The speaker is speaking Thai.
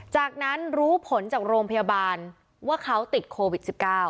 จากนั้นรู้ผลจากโรงพยาบาลว่าเขาติดโควิด๑๙